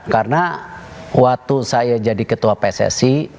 karena waktu saya jadi ketua pssi